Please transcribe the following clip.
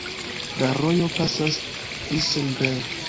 La rojo pasas Eisenberg.